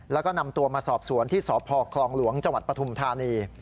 แล้วก็นำตัวมาสอบสวนที่สพคลองหลวงจังหวัดปฐุมธานี